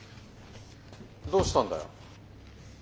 どうしたんだよ？